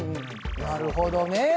なるほどね。